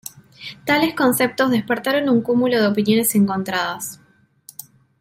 Tales conceptos despertaron un cúmulo de opiniones encontradas.